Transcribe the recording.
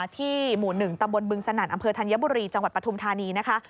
ที่หมู่๑ตำบลบึงสนั่นอำเภอธัญบุรีจังหวัดปฐุมธานีนะคะ